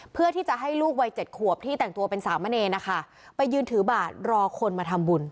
เพื่อที่จะให้ลูกวัยเจ็ดขวบที่แต่งตัวเป็นสามเณรนะคะไปยืนถือบาทรอคนมาทำบุญ